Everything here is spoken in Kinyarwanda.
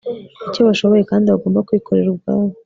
icyo bashoboye kandi bagomba kwikorera ubwabo